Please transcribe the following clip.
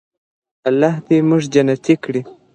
الله دې موږ جنتي کړي.